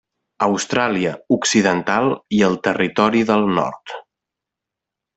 Austràlia Occidental i el Territori del Nord.